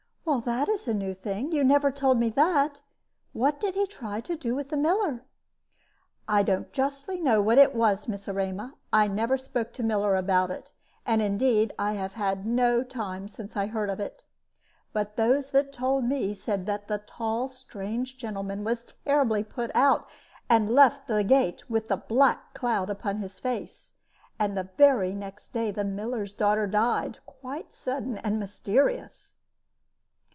"That is a new thing. You never told me that. What did he try to do with the miller?" "I don't justly know what it was, Miss Erema. I never spoke to miller about it, and, indeed, I have had no time since I heard of it. But those that told me said that the tall strange gentleman was terribly put out, and left the gate with a black cloud upon his face, and the very next day the miller's daughter died, quite sudden and mysterious."